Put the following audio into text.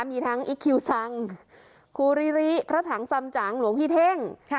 มีทั้งอีคคิวซังคูริริพระถังสำจังหลวงพี่เท่ง